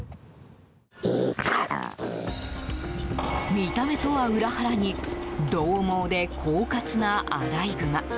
見た目とは裏腹に獰猛で、狡猾なアライグマ。